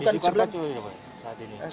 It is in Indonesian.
kondisi kacuk itu